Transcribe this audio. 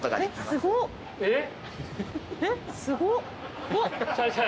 すごっ。